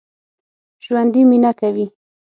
ژوندي مېنه کوي